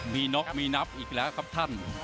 มีน็อกมีนับอีกแล้วครับท่าน